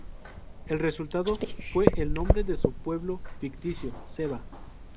El resultado fue el nombre de su pueblo ficticio: "Seva".